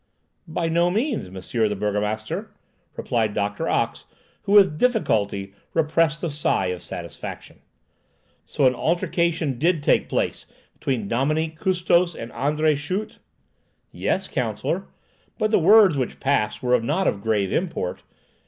"By no means, Monsieur the burgomaster," replied Doctor Ox, who with difficulty repressed a sigh of satisfaction. "So an altercation did take place between Dominique Gustos and André Schut?" "Yes, counsellor; but the words which passed were not of grave import."